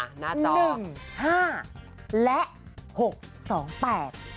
หนึ่งห้าและหกสองแปด